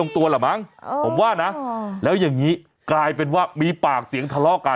ข้าวหลามมั้ง